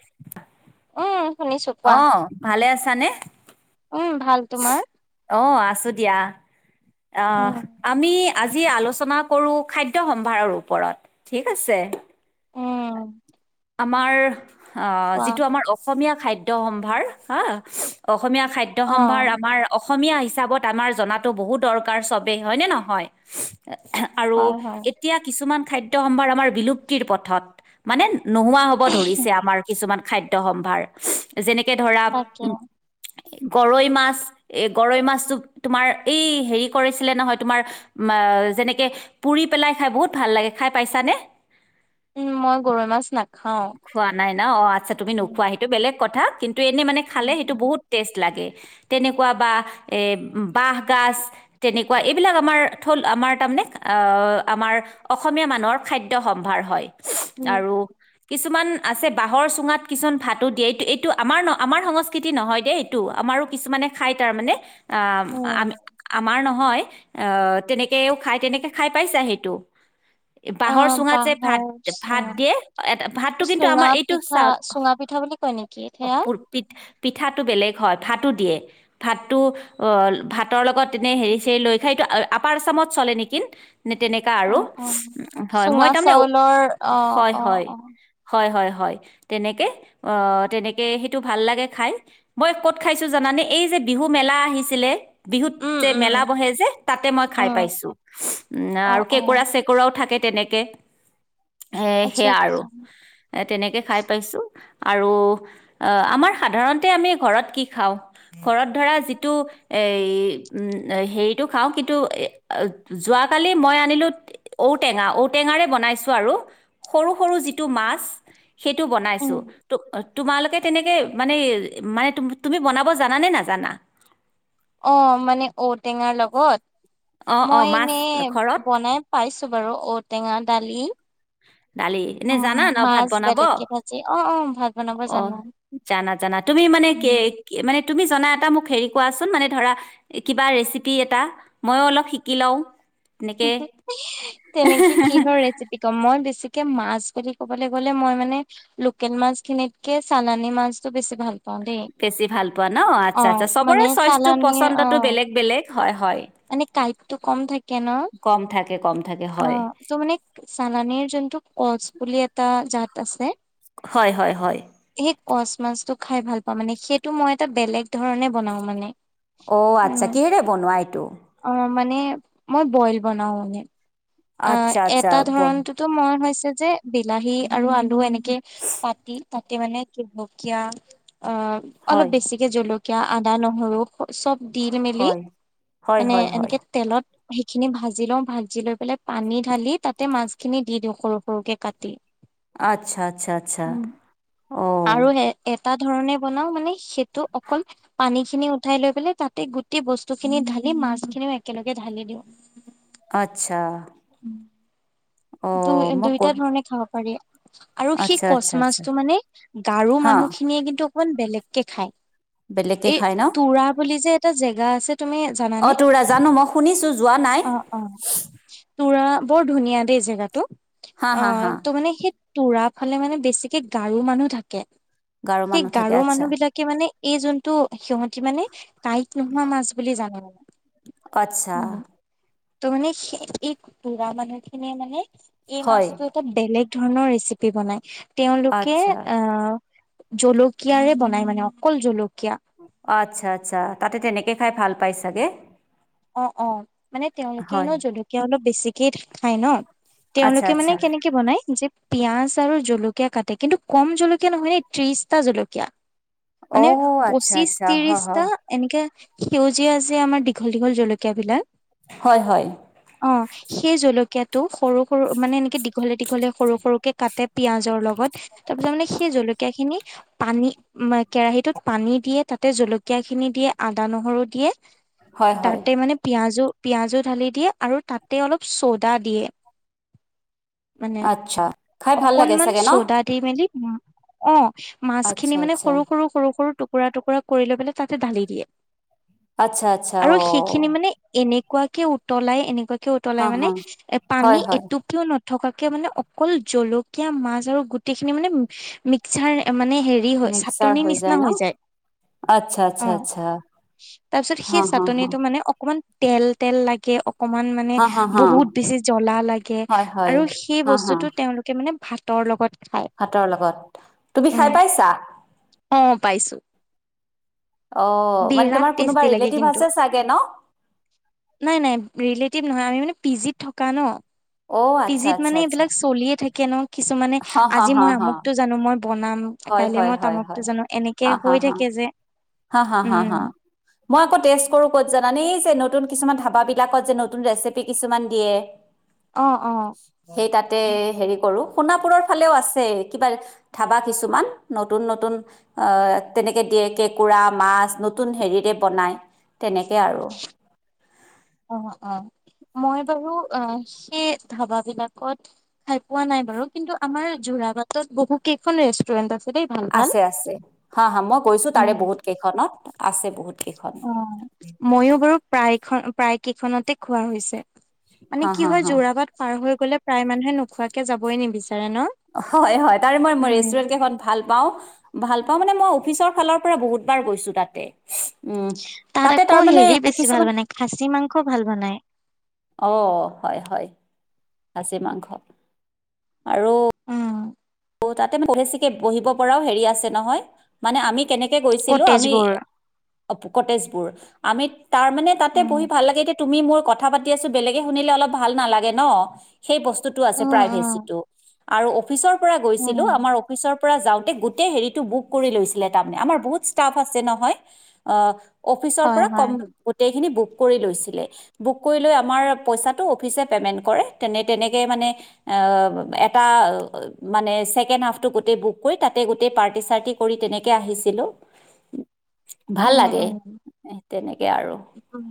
[inaudible] উম, শুনিছো কোৱা। অ ভালে আছানে উম ভাল তোমাৰ অ আছো দিয়া, অ, উম, আমি আজি আলোচনা কৰো, খাদ্য সম্ভাৰৰ ওপৰত ঠিক আছে। উম, আমাৰ অ কোৱা। যিটো আমাৰ অসমীয়া খাদ্য সম্ভাৰ হা অ অসমীয়া খাদ্য সম্ভাৰ অ', আমাৰ অস অসমীয়া হিচাপত আমাৰ জনাতো বহুত দৰকাৰ চবেই হয়নে নহয় আৰু হয়, হয়, এতিয়া কিছুমান, খাদ্য সম্ভাৰ আমাৰ বিলুপ্তিৰ পথত, মানে নোহোৱা হব ধৰিছে আমাৰ কিছুমান খাদ্য সম্ভাৰ যেনেকে ধৰা তাকে। উ গৰৈ মাছ এ গৰৈ মাছটো তোমাৰ এই হেৰি কৰিছিলে নহয় তোমাৰ মা যেনেকে পুৰি পেলাই খাই বহুত ভাল লাগে খাই পাইছানে উম মই গৰৈ মাছ নাখাওঁ। খোৱা নাই ন অ আচ্ছা তুমি উম, নোখোৱা সেইটো বেলেগ কথা কিন্তু ত এনে মানে খালে উম, সেইটো বহুত টেষ্ট লাগে তেনেকুৱা বা এ বাহ গাজ তেনেকুৱা এইবিলাক আমাৰ থল আমাৰ তাৰ নে, আমা উম, কিছুমান আছে বাঁহৰ চুঙাত কিছুমান ভাতো দিয়ে এইটো এইটো আমাৰ ন আমাৰ সংস্কৃতি নহয় দেই এইটো আমাৰ আৰু কিছুমানে খাই তাৰমানে আ উম, উম। আমি আমাৰ নহয় অ তেনেকেও তাই তেনেকে খাই পাইছা সেইটো, বাহৰ অ', চুঙাত যে ভাত, বাঁহৰ ভাত চুঙা। দিয়ে। ভাতটো কিন্তু চুঙা আমাৰ এইটো পিঠা, চাউল, চুঙা পিঠা বুলি কয় নেকি অ, সেয়া? পিত পিঠাটো বেলেগ হয়, ভাতো দিয়ে, ভাতটো অ, ভাতৰ লগত এনে হেৰি, চেৰী লৈ সেইটো আপাৰ আছামত চলে নেকি। নে তেনেকা আৰু অ', অ'। হয় চুঙা মই তাৰমানে ঔ চাউলৰ অ', হয় অ', হয় অ'। হয় হয় হয়, তেনেকে অ, তেনেকে সেইটো ভাল লাগে খাই, মই ক'ত খাইছো জানানে, এই যে বিহু মেলা আহিছিলে বিহুত উম, যে উম, মেলা বহে যে তাতে মই খাই উম, পাইছো উম অ', আৰু কেঁকোৰা অ', চেকোৰাও থাকে তেনেকে, এ, আচ্ছা, সেয়া আৰু আচ্ছা, এ, তেনেকে খাই পাইছো। আৰু অহ আমাৰ সাধাৰণতে আমি ঘৰত কি খাওঁ ঘৰত ধৰা যিটো এ উম হেৰিটো খাওঁ কিন্তু এ যোৱাকালি মই আনিলো ঔ টেঙা ঔটেঙাৰে বনাইছো আৰু সৰু সৰু যি তো মাছ সেইটো বনাইছো উম। তু তোমালোকে তেনেকে মানে মানে তুমি বনাব জানা নে নাজানা অ, মানে ঔ টেঙাৰ অঁ লগত। অঁ মই মাছ এনে ঘৰত বনাই পাইছো বাৰু ঔটেঙা দালি। দালি এনে উম জানা ন ভাত মাছ বনাব বেলেগকে ভাজি অ অ ভাত বনাব অ জানো জানা জানা তুমি মানে কে উম। মানে তুমি জনা এটা, মোক হেৰী কোৱাচোন, মানে ধৰা কিবা ৰেচিপি এটা, মই অলপ শিকি লও। তেনেকে কিহৰ ৰেচিপি কম মই বেছি। মাছ বুলি ক'বলৈ গ'লে মই মানে লোকেল মাছ খিনিত কে চালানি মাছতো বেছি ভাল পা বেছি ভাল পোৱা ন আচ্ছা-আচ্চা মানে চবৰে চইচটো চালানীৰ অ পচন্দতটো বেলেগ বেলেগ হয়-হয়। মানে কাইটটো কম থাকে। ন কম থাকে। কম থাকে হয় অ' ত মানে চালানীৰ যোনটো কচ বুলি এটা জাত আছে। হয়-হয়-হয়। সেই কচ মাছটো খাই ভাল পাওঁ মানে সেইটো মই এটা বেলেগ ধৰণে বনাও মানে। অ' আচ্ছা উম, কিহেৰে বনোৱা এইটো অ' মানে মই বইল বনাও মানে। অ' আচ্ছা আচ্ছা এটা বন ধৰনটোতো মই হৈছে যে বিলাহী আৰু আলু এনেকে পাতি তা। মানে জলকীয়া অ' অলপ হয় বেছিকে জলকীয়া আদা নহৰু চব। দি মেলি হয় হয় মানে হয় হয় এনেকে তেলত সেইখিনি ভাজি লওঁ ভাজি লৈ পেলাই। পানী ঢালি তাতে মাছখিনি দি দিওঁ সৰু-সৰুকে কাটি। আচ্ছা-আচ্ছা-আচ্ছা, উম। আৰু সে এ এটা ধৰণে বনাও মানে সেইটো অকল পানী খিনি উঠাই লৈ পেলাই তাতে গোটেই বস্তু খিনি ঢালি। সেইখিনি মাছখিনিও একেলগে ঢালি দিওঁ। আচ্ছা। অ' মই দুই-দুইটা কৰ ধৰণে খাব পাৰি। আৰু সেই আচ্ছা কচ আচ্ছা আচ্ছা মাছটো মানে গাৰো হা মানুহখিনিয়ে কিন্তু অকমান বেলেগকে খায়। বেলেগকে এই খাই ন তুৰা বুলি যে এটা জেগা আছে তুমি অ জানানে। তোৰ জানো মই শুনিছোঁ যোৱা নাই অ-অ' তুৰা বৰ ধুনীয়া দেই জেগাতটো। হা হা হা অ' তো মানে সেই তোৰা ফালে মানে বেছিকে গাৰু মানুহ থাকে। গাৰো সেই মানুহ থাকে গাৰোঁৰ আচ্ছা মানুহ বিলাকে মানে। এই যোনটো সিহতি মানে কাইত নোহোৱা মাছ বুলি জানে মানে। আচ্ছা। উম। ত, মানে এই পুঢৰা মানুহ খিনিয়ে মানে এই হয় মাছতটো এটা বেলেগ। ধৰণৰ ৰেচিপি বনাই তেওলোকে আচ্ছা আহ। জলকিয়াৰে বনাই মানে অকল জল আচ্ছা - আচ্ছা তাতে তেনেকে খাই ভাল পাই চাগে। অ অ মানে তেওঁলোকেই ন হয় জলকীয়া অলপ বেছিকে খাই ন। আচ্ছা তেওঁলোকে মানে আচ্ছা কেনেকে বনাই যে পিয়াজ আৰু জলক কে কাটে কিন্তু কম জলকীয়া নহয়নে ত্ৰিশটা জলকীয়া। মানে অ' আচ্ছা পঁচিশ আচ্ছা হ হ ত্ৰিশটা এনেকে। সেউজীয়া যে, আমাৰ দীঘল দীঘল জলকীয়া বিলাক হয় হয় অ', সেই জলীয়া। কটো, সৰু, সৰু মানে এনেকে দীঘলে দীঘলে সৰুকে কাট পিয়য়াজ। ৰ লগত, তাৰ পিছত মানে সেই জলকীয়া খিনি। পানী কেৰাহীটোত পানী দিয়ে তাতে জলকীয়া খিনি দিয়ে আদা নহৰু দিয়ে। হয় হয় তাতে মানে পিয়াজো। পিয়াঁজো ঢালি দিয়ে, আৰু তাতে অলপ চ'দা দিয়ে। মানে আচ্ছা খাই ভাল লাগে অকনমান চাগে ন চ'দা দি মেলি। অ, মাছখিনি আচ্ছা মানে আচ্ছা সৰু, সৰু, সৰু, সৰু টোক টুকুৰা, টুকুৰা কৰি লৈ পেলাই তাতে ঢালি দিয়ে। আচ্ছা আচ্ছা আৰু সেইখিনি অ' মানে এনে। একুৱাকে উতলাই এনেকুৱাকে হা উতলাই মানে হা এ, পানী হয় হয় এটু কিয় থকাকে মানে অকল জলকীয়া মাছ আৰু গোটেই খিনি মানে মিক্সাৰ মানে। হেৰি হয় চাটন নিচিনা হৈ যায়, আচ্ছা আচ্ছা অ' আচ্ছা তাৰপিছত হা সেই হা হা চাটনিটো মানে অকমান তেল তেল লাগে অকমান মানে হা হা হা বহুত বেছি জ্বলা লাগে হয় হয় আৰু সেই হা বস্তুতো তেওঁলোকে মানে। ভাতৰ লগত। খায় হাতৰ লগত তুমি উম খাই পাইছা অ পাইছো অ', মানে বিৰাট তোমাৰ কোনোবা টেষ্টি লাগে ৰিলেটিভ কিন্তু আছে চাগে ন? নাই, নাই ৰিলেটিভ নহয়, আমি মানে পি, জিত থকা ন। অ', পি, আচ্ছা জিত আচ্ছা মানে আচ্ছা। এইবিলাক চলিয়ে, থাকে ন, কিছুমানানে, হা হা আজি হা মই হা। আমুকতটো জানো মই বনাম হয় কাইলে হয় মই হয় তামুকটো হয়। জানো এনেকে হা হা হৈ হা। থাকে যে হা, হা, হা, উম হা, মই আকৌ টেষ্ট নতুন কিছুমান ধাবাবলাকত যে নতুন ৰেচিপি কিছুমান দিয়ে অ অ সেই তাতে হেৰি কৰো সোণাপুৰৰ ফালেও আছে কিবা ধাবা কিছুমান নতুন নতুন অ তেনেকে দিয়ে কেক কেকুৰা মাছ নতুন হেৰিৰে বনাই তেনেকে আৰু। অ অ মই বাৰু অ সেই ধাবা বিলাকত খাই পোৱা নাই বাৰু কিন্তু আমাৰ যোৰা বাটত বহু এইখন ৰেষ্টুৰেণ্ট আছে দেই ভাল ভাল। আছে, আছে হা, হা মই গৈছো উম। তাৰে বহুত কেইখনত, আছে। বহুত কেইখন। অ মইয়ো বাৰু প্ৰায় প্ৰায় কেইখনতে খোৱা হৈছে মানে হা কি হা হয় হা। যোৰাবাট পাৰ হৈ গ'লে, প্ৰায় মানুহে নোখোৱাকে যাবই নিবিচাৰে। ন? হয় হয় তাৰে মই উম। ৰেষ্টুৰেন্ট কেইখন ভাল পাও ভাল পাওঁ মানে মই অফিচৰ ফালৰ পৰা বহুতবাৰ গৈছো তাতে উম তাত তাতে আকৌ তাৰমানে হেৰি বেছি কিছুমান ভাল বনাই, খাচী মাংস ভাল বনাই। অ, হয়, হয় খাচী মাংস, আৰু তাতে পহেচিকে বহিব পৰাও হেৰি আছে নহয় মানে আমি কেনেকে গৈছিলো আমি কটেজবোৰ। অ পকতেজবোৰ আমি তাৰ মানে তাতে উম। পঢ়ি ভাল লাগে এতিয়া তুমি মোৰ কথা পাতি আছো বেলেগে শুনিলে অলপ ভাল নালাগে ন সেই বস্তুতটো আছে উম, উম, প্ৰাইভেচিটো আৰু অফিচৰ পৰা উম, গৈছিলো আমাৰ অফিচৰ তে গো হ বু কৰি লৈ তাৰ আমাৰ বহুত আছে নহয় আহ অফিচৰ হয়, পৰা কম হয়, গোটেইখিনি বুক কৰি লৈছিলে, বুক কৰি লৈ, আমাৰ পইছাটো অফিচে, পমেণ্ট কৰে তেনে, তেনেকে মানে অ এটা মানে ছেকেণ্ড হাফটো গোটেই বুক কৰি, তাতে গোটেই পাৰ্টি, চাৰ্টি কৰি তেনেকৈ আহিছিলোঁ। ভাল উম, লাগে উম। তেনেকে আৰু উম।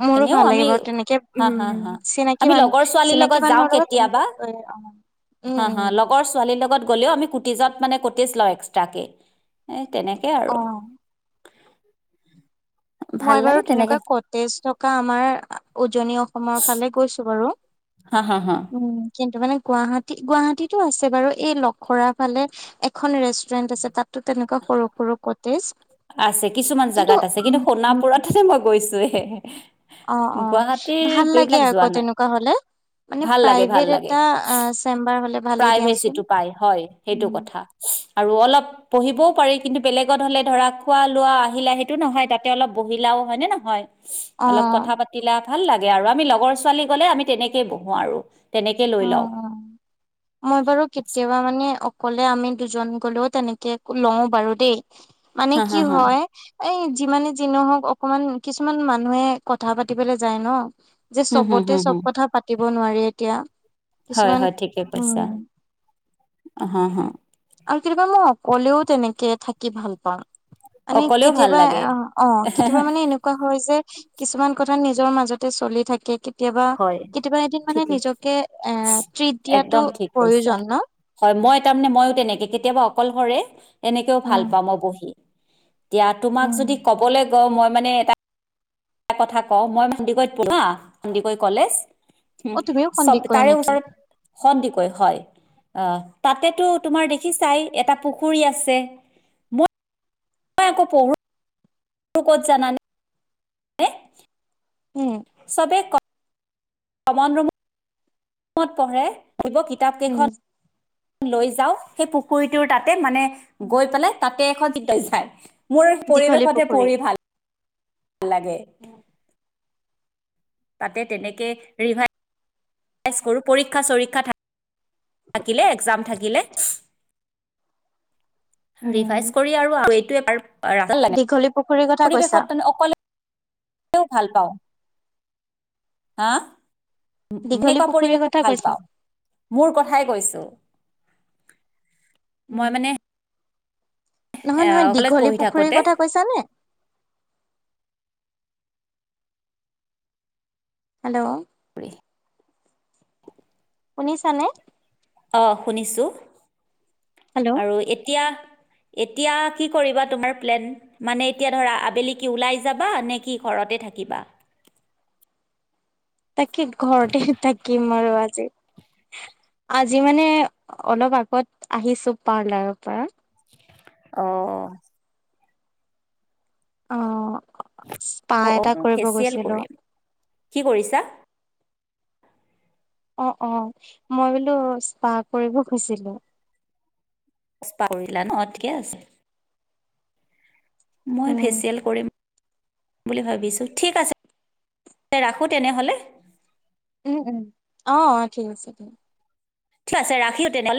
মোৰো এনেও ভাল লাগে আমি বাৰু তেনেকে হা হা উম হা চিনাকি আমি মানুহ লগৰ ছোৱালীৰ চিনাকি লগত যাওঁ মানুহৰ লগত কেতিয়াবা তেনেকে অ উম হা হা উম লগৰ ছোৱালীৰ লগত গ'লেও আমি কুটিজত মানে কটিজ লওঁ এক্সট্ৰাকে তেনেকে আৰু অ ভাল মই বাৰু লাগে তেনেকে তেনেকুৱা কটেজ থকা আমাৰ উজনি অসমৰ ফালে গৈছো বাৰু হা হা হা উম কিন্তু মানে গুৱাহাটী, গুৱাহাটীতো আছে বাৰু এই লখৰা ফালে এখন ৰেষ্টুৰেন্ট আছে তাত টো তেনেকুৱা সৰু সৰু ক আছে কিছুমান জোগাত আছে কিন্তু উম উম সোণাপুৰত মই গৈছোয়ে অ, অ, ভাল লাগে আকৌ যোৱা নাই তেনেকুৱা হলে। মানে ভাল লাগে ভাল প্ৰাইভেট লাগে এটা চেম্বাৰ হলে। ভালে দিয়াচোন প্ৰাইভেচিটো পাই হয় সেইটো কথা আৰু অলপ পঢ়িবও পাৰি কিন্তু বেলেগত হলে ধৰা খোৱা লোৱা আহিলা সেইটো নহয় তাতে অলপ বহি দেখিলাও হয়নে, নহয়। অ অলপ কথা পাতিলা ভাল লাগে, আৰু আমি লগৰ ছোৱালী গলে তেনেকৈ লৈ অ লওঁ অ মই বাৰু কেতিয়াবা মানে অকলে আমি দুজন গলেও তেনেকে লও বাৰু দেই মানে হা হা কি হা হয় এই যিমানে যি নহওক অকমান কিছুমান মানুহে কথা পাতিবলৈ যায় ন যে হুম হুম হুম চবতে, চব হুম কথা পাতিব নোৱাৰি, এতিয়া। হয় কিছুমান হয় ঠিকে কৈইছা উম অ হ আৰু কেতিয়াবা মই অকলেও তেনেকে থাকি ভাল পাওঁ। মানে অকলেও ভাল কেতিয়াবা লাগে অ', অ', কেতিয়াবা মানে এনেকুৱা হয় যে কিছুমান কথা নিজে নিজৰ মাজতে চলি থাকে কেতিয়াবা হয় কেতিয়াবা এদিন মানে ঠিকে নিজকে এ ট্ৰিট দিয়াটো একদম ঠিক কৈছা। প্ৰয়োজন ন। মই তাৰ মানে ময়ো তেনেকে কেতিয়াবা অকলশৰে এনেকেও ভাল উম পাওঁ মই বহি। এতিয়া তোমাক উম যদি ক'বলৈ গৈ মই মানে এটা এটা কথা কওঁ মই সন্দিকৈত পঢ়ো না সন্দিকৈ কলেজ। অ তুমিও সন্দিক কৰে নেকি [inaudible] সন্দিকৈ হয় আহ তাতেতো তোমাৰ দেখি চাই এটা পুখুৰী আছে মই মই আকৌ পঢ়ো ক'ত জানানে উম চবে ক কমণ ৰম কত পঢ়ে দিব কিতাপ উম কেইখন। লৈ যাও সেই পুখুৰীটোৰ তাতে মানে গৈ পেলাই তাতে এখন যায়। মোৰ দীঘলী পৰিৱেশতে পুখুৰী পঢ়ি ভাল নালাগে। তাতে তেনেকে ৰিভাই কৰোঁ পৰীক্ষা চৰীক্ষা থাকিলে একজাম থাকিলে উম ৰিভাইজ কৰি আৰু এইটোৱে দীঘলী পুখুৰীৰ কথা কৈছা পৰিৱেশত অকলে ভাল পাওঁ। হা। দীঘলী এনেকুৱা পুখুৰীৰ পৰিৱেশত কথা ভাল কৈছা পাওঁ মোৰ কথাই কৈছো। উম মই মানে নহয় নহয় কলেজ দীঘলী পঢ়ি পুখুৰীৰ থাকোতে কথা কৈছানে? হেল্ল'। ৰে শুনিচানে? অ', শুনিছো হেল্ল' আৰু এতিয়া এতিয়া কি কৰিবা তোমাৰ প্লেন মানে এতিয়া ধৰা আবেলি কি ওলাই যাবা নে কি? ঘৰতে থাকিবা। তাকে ঘৰতে থাকিম আৰু আজি। আজি মানে অলপ আগত আহিছো পাৰ্লাৰৰ পৰা। অ'। অহ স্পা অ অ এটা কৰিব ফেচিয়েল গৈছিলো। কৰিম কি কৰিছা অ', অ', মই বোলো স্পাহ কৰিব গৈছিলো। স্পা কৰিলা অ', ঠিকে আছে। মই উম ফেচিয়েল কৰিম। বুলি ভাবিছোঁ ঠিক আছে, ৰাখো তেনেহ'লে। উম উম অ', অ', ঠিক আছে ঠিক ঠিক আছে ৰাখিলো তেনেহ'লে।